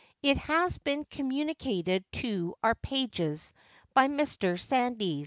It has been communicated to our pages by Mr. Sandys.